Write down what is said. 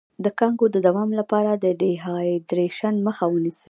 د کانګو د دوام لپاره د ډیهایډریشن مخه ونیسئ